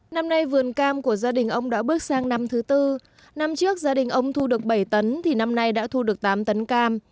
năm nay vườn cam của gia đình ông đã bước sang năm thứ tư năm trước gia đình ông thu được bảy tấn thì năm nay đã thu được tám tấn cam